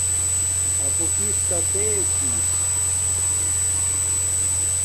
اپو کس تا تے چھس